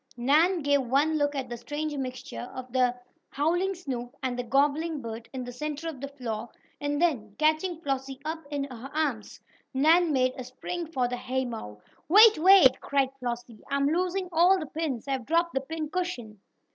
Nan gave one look at the strange mixture of the howling Snoop and the gobbling bird in the centre of the floor, and then, catching Flossie up in her arms, Nan made a spring for the haymow. "Wait! Wait!" cried Flossie. "I'm losing all the pins! I've dropped the pin cushion!"